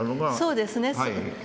そうですね。